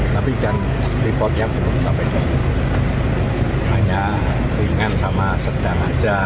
tapi kan reportnya belum sampai hanya ringan sama sedang saja